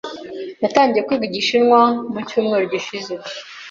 Natangiye kwiga Igishinwa mu cyumweru gishize.